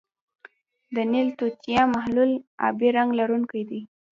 د نیل توتیا محلول آبی رنګ لرونکی دی.